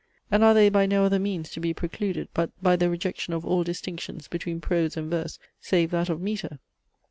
and are they by no other means to be precluded, but by the rejection of all distinctions between prose and verse, save that of metre?